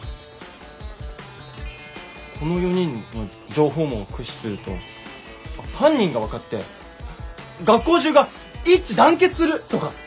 この４人の情報網を駆使すると犯人が分かって学校中が一致団結するとか。